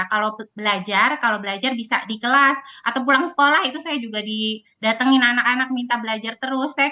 kalau belajar kalau belajar bisa di kelas atau pulang sekolah itu saya juga didatengin anak anak minta belajar terus